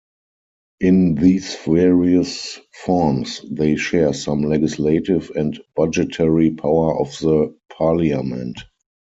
In these various forms they share some legislative and budgetary power of the Parliament.